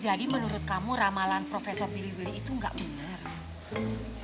jadi menurut kamu ramalan profesor giliwili itu enggak bener